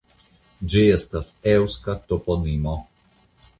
Ĝi estas eŭska toponimo.